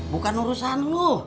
bukan urusan lo